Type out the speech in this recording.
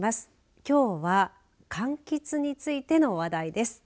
きょうはかんきつについての話題です。